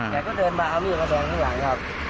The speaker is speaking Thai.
แกก็เดินมาเอามิดมาทำนึกหลังครับ